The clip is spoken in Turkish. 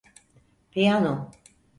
Piyano.